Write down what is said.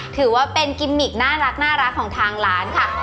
ถือว่าเป็นกิมมิกน่ารักของทางร้านค่ะ